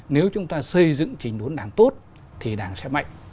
nếu chúng ta xây dựng trình đốn đảng tốt thì đảng sẽ mạnh